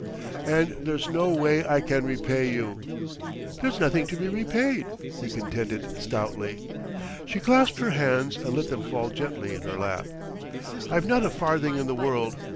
"And there's no way I can repay you...." "There's nothing to be repaid," he contended stoutly. She clasped her hands and let them fall gently in her lap. "I've not a farthing in the world!...